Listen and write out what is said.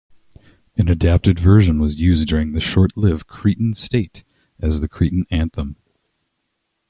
An adapted version was used during the short-lived Cretan State as the Cretan Anthem.